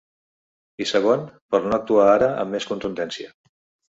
I segon, per no actuar ara amb més contundència.